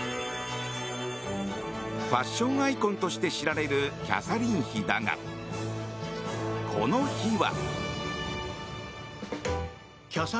ファッションアイコンとして知られるキャサリン妃だがこの日は。